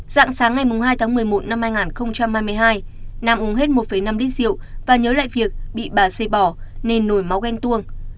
dạng sáng ngày hai tháng một mươi một năm hai nghìn hai mươi hai nam uống hết một năm lít rượu và nhớ lại việc bị bà xây bỏ nên nổi máu ghen tuông